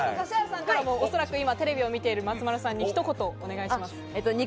指原さんからも、おそらくテレビを見ている松丸さんに一言お願いします。